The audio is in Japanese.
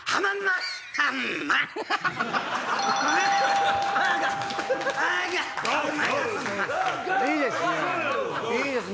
いいですね。